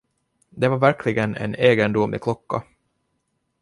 Det var verkligen en egendomlig klocka.